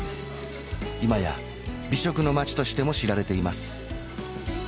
今や美食の街としても知られています